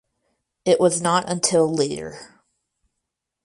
It was not until later.